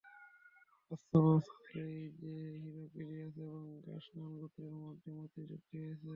বাস্তব অবস্থা ছিল এই যে, হিরাক্লিয়াস এবং গাসসান গোত্রের মধ্যে মৈত্রীচুক্তি হয়েছে।